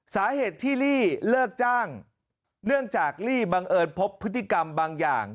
สาเหตุที่ลี่เลิกจ้างเนื่องจากลี่บังเอิญพบพฤติกรรมบางอย่าง